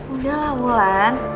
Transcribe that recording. udah lah wulan